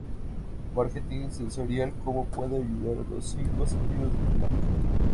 Marketing Sensorial: ¿Cómo pueden ayudar los cinco sentidos a tu marca?